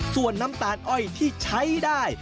ส่วนน้ำตาลอ้อยที่ใช้ได้